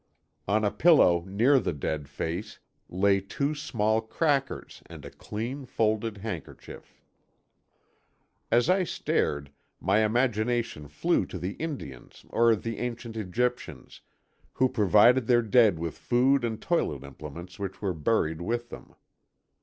On a pillow, near the dead face, lay two small crackers and a clean, folded handkerchief. As I stared, my imagination flew to the Indians or the ancient Egyptians, who provided their dead with food and toilet implements, which were buried with them.